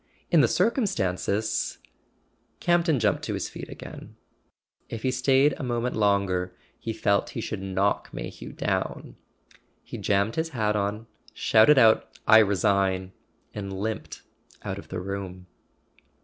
In the circumstances Camp ton jumped to his feet again. If he stayed a [ 369 ] A SON AT THE FRONT moment longer he felt he should knock Mayhew down. He jammed his hat on, shouted out "I resign," and limped out of the room.